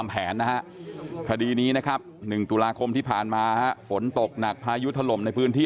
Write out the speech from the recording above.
แผนนะฮะคดีนี้นะครับ๑ตุลาคมที่ผ่านมาฝนตกหนักพายุถล่มในพื้นที่